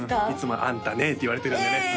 いつも「あんたねえ」って言われてるんでね